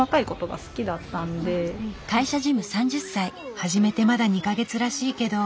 始めてまだ２か月らしいけど。